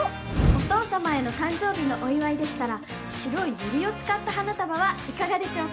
お父様への誕生日のお祝いでしたら白いユリを使った花束はいかがでしょうか？